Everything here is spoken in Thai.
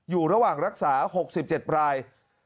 อยู่ระหว่างรักษา๖๗ราย